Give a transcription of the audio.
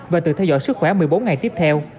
và tự theo dõi sức khỏe một mươi bốn ngày tiếp theo